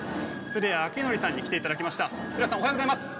鶴谷昭法さんに来ていただきました。